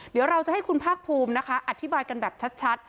เดี๋ยวเราจะให้คุณภาคภูมินะคะอธิบายกันแบบชัด